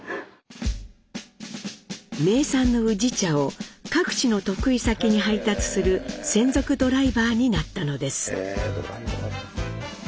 名産の宇治茶を各地の得意先に配達する専属ドライバーになったのです。